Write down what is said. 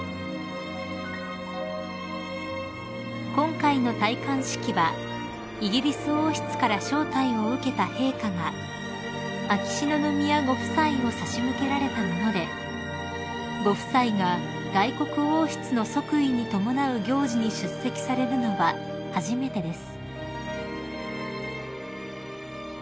［今回の戴冠式はイギリス王室から招待を受けた陛下が秋篠宮ご夫妻を差し向けられたものでご夫妻が外国王室の即位に伴う行事に出席されるのは初めてです］